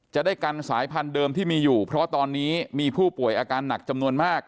จะได้กันสายพันธุเดิมที่มีอยู่เพราะตอนนี้มีผู้ป่วยอาการหนักจำนวนมาก